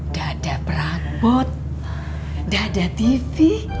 dada perabot dada tv